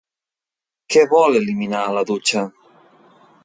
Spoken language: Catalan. Què vol eliminar a la dutxa?